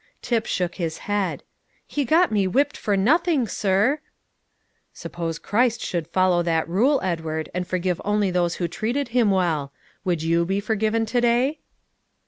Tip shook his head. "He got me whipped for nothing, sir." "Suppose Christ should follow that rule, Edward, and forgive only those who had treated Him well; would you be forgiven to day?"